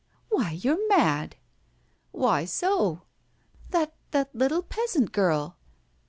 Why, you're mad!" "Why so?" "That that little peasant girl!"